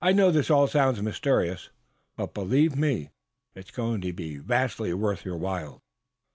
I know this all sounds mysterious, but believe me, it's going to be vastly worth your while."